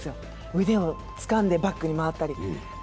腕をつかんでバックにいったり。